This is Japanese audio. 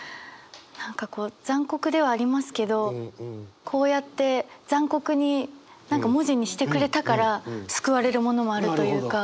何かこう残酷ではありますけどこうやって残酷に何か文字にしてくれたから救われるものもあるというか。